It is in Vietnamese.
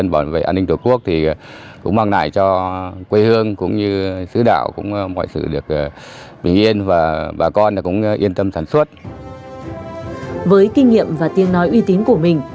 với kinh nghiệm và tiếng nói uy tín của mình